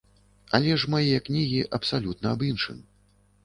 Але ж мае кнігі абсалютна аб іншым.